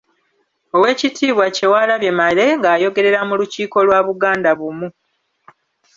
Oweekitiibwa Kyewalabye Male nga ayogerera mu lukiiko lwa Buganda Bumu.